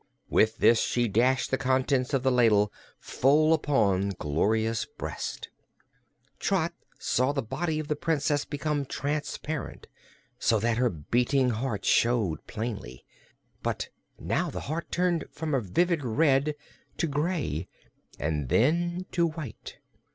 With this she dashed the contents of the ladle full upon Gloria's breast. Trot saw the body of the Princess become transparent, so that her beating heart showed plainly. But now the heart turned from a vivid red to gray, and then to white.